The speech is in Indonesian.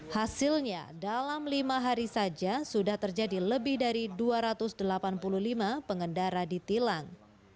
hasilnya dalam lima hari saja sudah terjadi lebih dari dua ratus delapan puluh lima pengendara ditilang